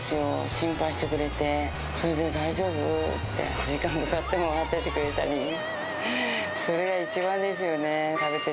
心配してくれて、それで大丈夫？って、時間かかっても待っててくれたりね。